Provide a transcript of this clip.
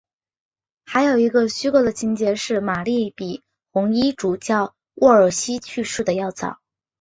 还有一个虚构的情节是玛丽比红衣主教沃尔西去世的要早。